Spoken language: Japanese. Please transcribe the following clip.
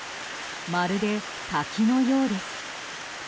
まるで滝のようです。